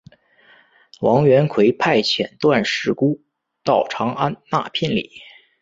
王元逵派遣段氏姑到长安纳聘礼。